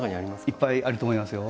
いっぱいあると思いますよ。